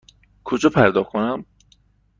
کجا پرداخت کنم؟